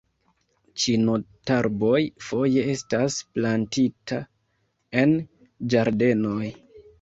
Ĉinotarboj foje estas plantita en ĝardenoj.